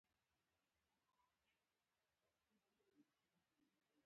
سترګې سورې وې.